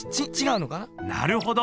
なるほど。